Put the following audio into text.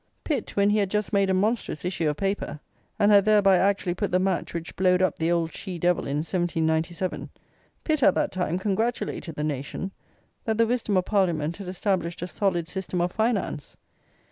Pitt, when he had just made a monstrous issue of paper, and had, thereby, actually put the match which blowed up the old She Devil in 1797 Pitt, at that time, congratulated the nation, that the wisdom of Parliament had established a solid system of finance.